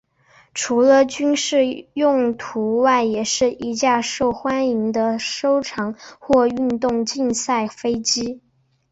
除了军事用途外也是一架受欢迎的收藏或运动竞赛飞机。